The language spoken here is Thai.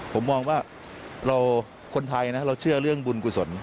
ผมมองว่าคนไทยนะเราเชื่อเรื่องบุญกุศล